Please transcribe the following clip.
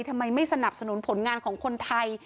ทำไมไม่สนับสนุนผลงานของคนไทย